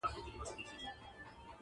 بدترين فقر چټکۍ کمېږي.